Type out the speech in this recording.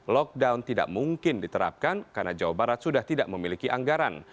lockdown tidak mungkin diterapkan karena jawa barat sudah tidak memiliki anggaran